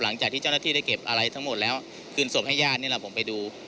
หลังจากที่เจ้าหน้าที่ได้เก็บอะไรทั้งหมดแล้วคืนศพให้ญาตินี่แหละผมไปดู